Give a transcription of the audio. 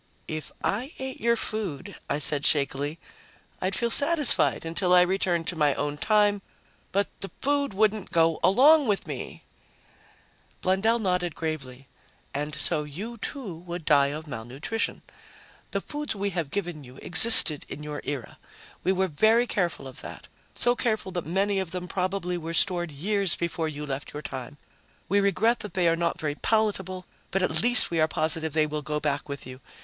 "If I ate your food," I said shakily, "I'd feel satisfied until I was returned to my own time. But the food wouldn't go along with me!" Blundell nodded gravely. "And so you, too, would die of malnutrition. The foods we have given you existed in your era. We were very careful of that, so careful that many of them probably were stored years before you left your time. We regret that they are not very palatable, but at least we are positive they will go back with you.